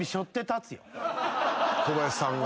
小林さんが？